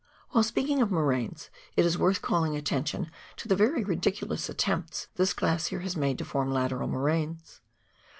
While speaking of moraines, it is worth calling attention to the very ridiculous attempts this glacier has made to form lateral moraines.